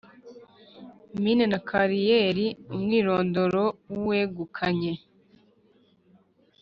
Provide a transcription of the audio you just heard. Mine na Kariyeri umwirondoro w uwegukanye